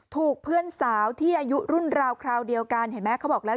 ถูกเพื่อนสาวที่อายุรุ่นราวคราวเดียวกันเห็นไหมเขาบอกแล้ว